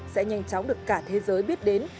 sẽ nhanh chóng được cả thế giới biết đến